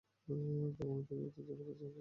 তখন আমি অতি দ্রুত তার জন্য পানি প্রস্তুত করলাম।